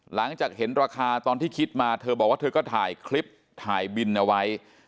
หลังจากเห็นราคาตอนที่คิดมาเธอบอกว่าเธอก็ถ่ายคลิปถ่ายบินเอาไว้